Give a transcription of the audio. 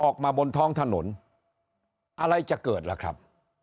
ออกมาบนท้องถนนอะไรจะเกิดล่ะครับ